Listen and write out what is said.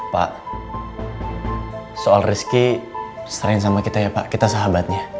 pak soal rezeki strain sama kita ya pak kita sahabatnya